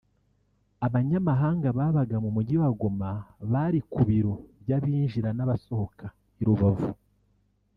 Abanyamahanga babaga mu mujyi wa Goma bari ku biro by’abinjira n’abasohoka i Rubavu